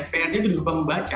prnya itu di lupa membaca